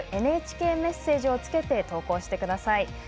ＮＨＫメッセージをつけて投稿してください。